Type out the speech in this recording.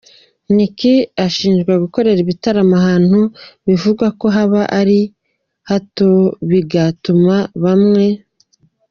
Nic ushinjwa gukorera ibitaramo ahantu bivugwa ko haba ari hatobigatuma bamwe.